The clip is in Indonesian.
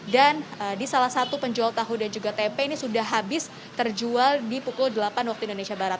dan di salah satu penjual tahu dan juga tempe ini sudah habis terjual di pukul delapan waktu indonesia barat